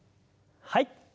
はい。